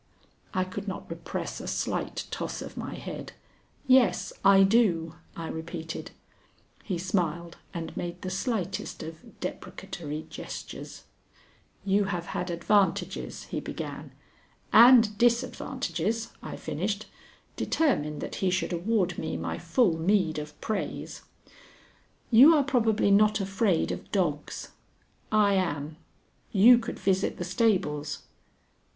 I could not repress a slight toss of my head. "Yes, I do," I repeated. He smiled and made the slightest of deprecatory gestures. "You have had advantages " he began. "And disadvantages," I finished, determined that he should award me my full meed of praise. "You are probably not afraid of dogs. I am. You could visit the stables."